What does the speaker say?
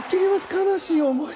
悲しい思い。